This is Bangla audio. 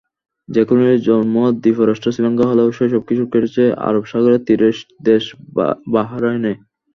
জ্যাকুলিনের জন্ম দ্বীপরাষ্ট্র শ্রীলঙ্কায় হলেও শৈশব-কৈশোর কেটেছে আরব সাগরের তীরের দেশ বাহরাইনে।